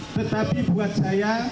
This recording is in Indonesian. tetapi buat saya